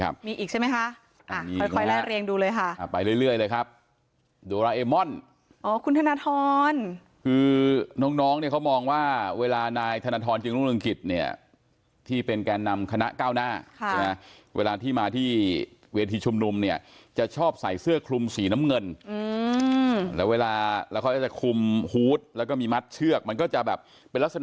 ค่ะมีอีกใช่ไหมคะค่อยและเรียงดูเลยค่ะอ่าไปเรื่อยเลยครับโดราเอม่อนอ๋อคุณธนทรคือน้องเนี้ยเขามองว่าเวลานายธนทรจึงรุ่งลงกฤษเนี้ยที่เป็นแก่อนำคณะก้าวหน้าครับเวลาที่มาที่เวียรธีชุมนุมเนี้ยจะชอบใส่เสื้อคลุมสีน้ำเงินอือแล้วเวลาแล้